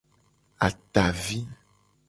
Atavi.